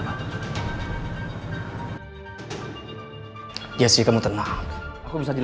orang yang selama ini n obliged